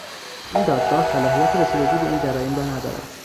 این دادگاه صلاحیت رسیدگی به این جرایم را ندارد.